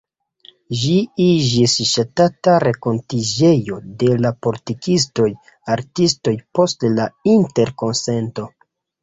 Ĝi iĝis ŝatata renkontiĝejo de la politikistoj, artistoj post la Interkonsento.